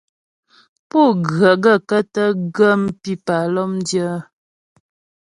Pú ghə̀ gaə̂kə́ tə ghə́ pípà lɔ́mdyə́ ?